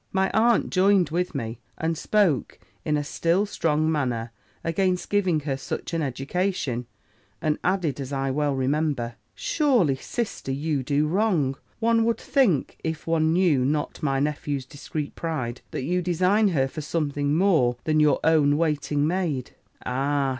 "My aunt joined with me, and spoke in a still stronger manner against giving her such an education: and added, as I well remember, 'Surely, sister, you do wrong. One would think, if one knew not my nephew's discreet pride, that you design her for something more than your own waiting maid.' "'Ah!